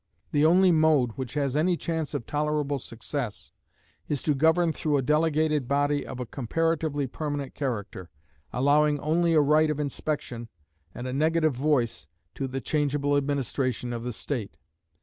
The only mode which has any chance of tolerable success is to govern through a delegated body of a comparatively permanent character, allowing only a right of inspection and a negative voice to the changeable administration of the state.